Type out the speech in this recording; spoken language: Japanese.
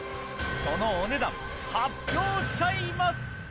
そのお値段発表しちゃいます！